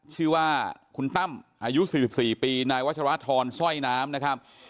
ชื่อว่าคุณตั้มอายุสี่สิบสี่ปีนายวัชราธรช่อยน้ำนะครับ